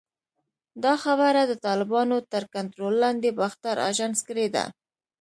دا خبره د طالبانو تر کنټرول لاندې باختر اژانس کړې ده